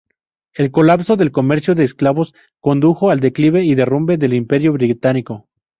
El colapso del comercio de esclavos condujo al declive y derrumbe del Imperio británico.